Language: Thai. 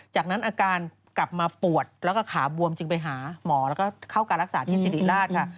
จากนั้นอาการกลับมาปวดแล้วก็ขาบวมจึงไปหาหมอแล้วก็เข้าการรักษาที่สิริราชค่ะ